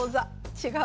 違う。